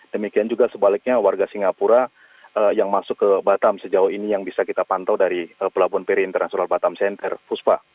demikian juga sebaliknya warga singapura yang masuk ke batam sejauh ini yang bisa kita pantau dari pelabuhan peri international batam center puspa